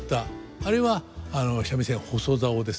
あれは三味線細棹ですね。